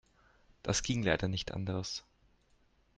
Das ging leider nicht anders.